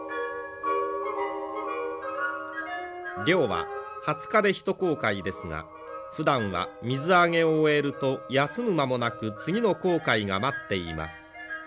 漁は２０日で一航海ですがふだんは水揚げを終えると休む間もなく次の航海が待っています。